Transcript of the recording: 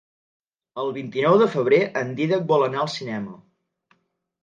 El vint-i-nou de febrer en Dídac vol anar al cinema.